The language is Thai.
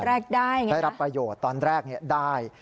ตอนแรกได้ไงครับได้รับประโยชน์ตอนแรกเนี่ยได้